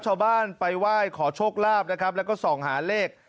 ชาวบ้านไปไหว้ขอโชคลาภนะครับแล้วก็ส่องหาเลข